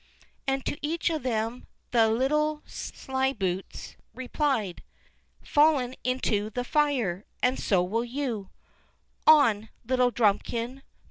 And to each of them the little slyboots replied: "Fallen into the fire, and so will you On, little Drumikin.